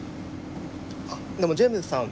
あっでもジェームスさん